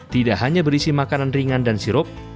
tidak hanya berisi makanan ringan dan sirup